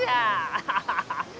アハハハ！